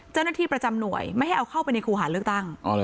เจ้าหน้าที่ประจำหน่วยไม่ให้เอาเข้าไปในครูหาเลือกตั้ง